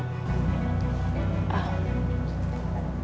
gue boleh nanya sesuatu